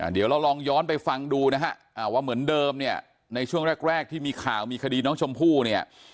เดี๋ยวเราลองย้อนไปฟังดูนะฮะว่าเหมือนเดิมเนี่ยในช่วงแรกที่มีข่าวมีคดีน้องชมพู่เนี่ย